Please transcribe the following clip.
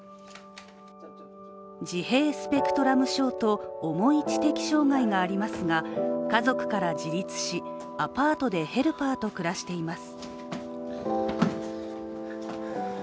自閉スペクトラム症と、重い知的障害がありますが家族から自立し、アパートでヘルパーと暮らしています。